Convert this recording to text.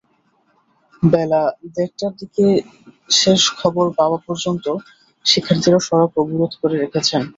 বেলা দেড়টার দিকে শেষ খবর পাওয়া পর্যন্ত শিক্ষার্থীরা সড়ক অবরোধ করে রেখেছেন।